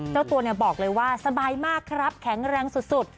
เจ้าตัวบอกเลยว่าสบายมากครับแข็งแรงสุด